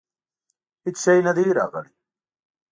هیڅ شی نه دي راغلي.